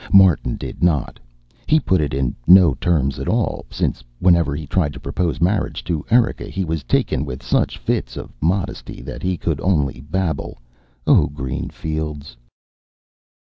Martin did not; he put it in no terms at all, since whenever he tried to propose marriage to Erika he was taken with such fits of modesty that he could only babble o' green fields.